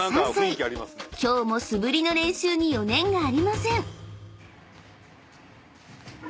［今日も素振りの練習に余念がありません］